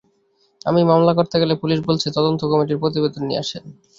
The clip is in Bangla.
আমি মামলা করতে গেলে পুলিশ বলছে তদন্ত কমিটির প্রতিবেদন নিয়ে আসেন।